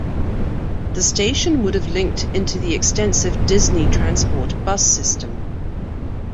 The station would have linked into the extensive Disney Transport bus system.